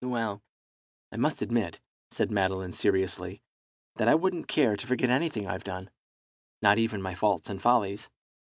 "Well, I must admit," said Madeline, seriously, "that I wouldn't care to forget anything I've done, not even my faults and follies.